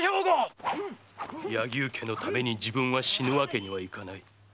〕柳生家のために自分は死ぬわけにはいかない。